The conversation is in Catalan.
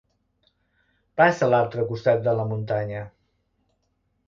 Passa a l'altre costat de la muntanya.